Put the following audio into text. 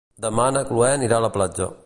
Demà na Cloè anirà a la platja.